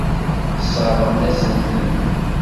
Tesseṛɣemt-asent-ten.